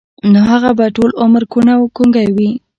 نو هغه به ټول عمر کوڼ او ګونګی و.